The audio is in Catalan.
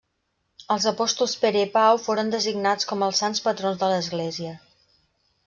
Els apòstols Pere i Pau foren designats com els sants patrons de l'església.